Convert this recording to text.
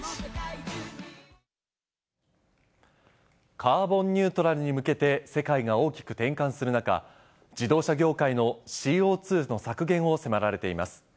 カーボンニュートラルに向けて、世界が大きく転換する中、自動車業界のＣＯ２の削減を迫られています。